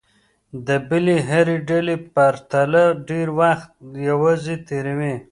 د بلې هرې ډلې پرتله ډېر وخت یوازې تېروي.